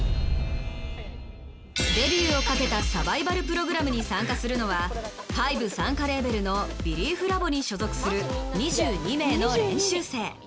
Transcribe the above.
デビューをかけたサバイバルプログラムに参加するのはＨＹＢＥ傘下レーベルのＢＥＬＩＦＴＬＡＢに所属する２２名の練習生。